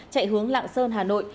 chạy hướng lạng sơn hà nội